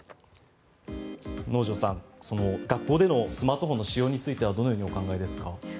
能條さん、学校でのスマートフォンの使用についてはどのようにお考えですか？